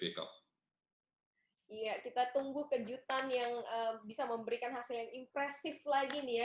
iya kita tunggu kejutan yang bisa memberikan hasil yang impresif lagi nih ya